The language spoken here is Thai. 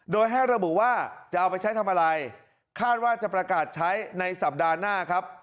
โดยให้ระบุว่าจะเอาไปใช้ทำอะไรคาดว่าจะประกาศใช้ในสัปดาห์หน้าครับ